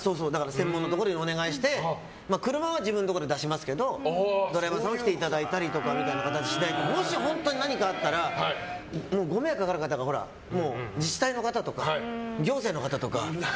専門のところにお願いして車は自分のところで出しますけどドライバーさんに来ていただいたりしないともし本当に何かあったらご迷惑をかける方が自治体の方とか行政の方とか。